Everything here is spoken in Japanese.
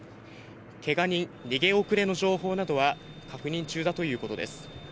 けが人、逃げ遅れの情報などは確認中だということです。